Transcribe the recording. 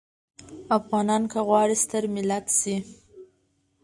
افغانان که غواړي ستر ملت شي.